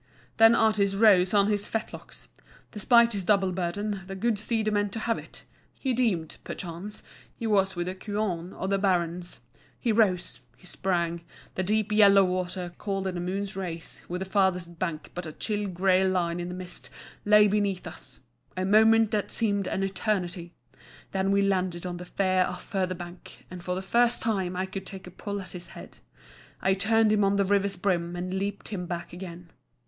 Then Atys rose on his fetlocks! Despite his double burden, the good steed meant to have it. He deemed, perchance, he was with the Quorn or the Baron's. He rose; he sprang. The deep yellow water, cold in the moon's rays, with the farthest bank but a chill grey line in the mist, lay beneath us! A moment that seemed an eternity! Then we landed on the far off further bank, and for the first time I could take a pull at his head. I turned him on the river's brim, and leaped him back again.